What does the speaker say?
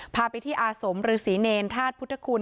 พาไปที่อาสมฤษีเนรธาตุพุทธคุณ